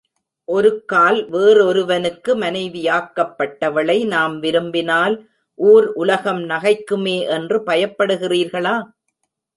ஒருக்கால் வேறொருவனுக்கு மனைவியாக்கப்பட்டவளை நாம் விரும்பினால் ஊர் உலகம் நகைக்குமே என்று பயப் படுகிறீர்களா?